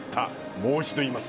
もう一度言います。